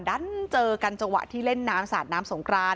ดันเจอกันจังหวะที่เล่นน้ำสาดน้ำสงคราน